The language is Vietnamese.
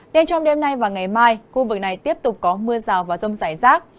nên trong đêm nay và ngày mai khu vực này tiếp tục có mưa rào và rông rải rác